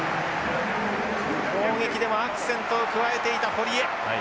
攻撃でもアクセントを加えていた堀江。